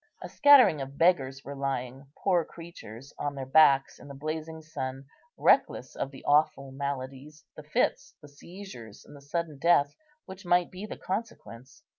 A scattering of beggars were lying, poor creatures, on their backs in the blazing sun, reckless of the awful maladies, the fits, the seizures, and the sudden death, which might be the consequence.